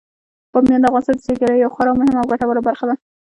بامیان د افغانستان د سیلګرۍ یوه خورا مهمه او ګټوره برخه ده.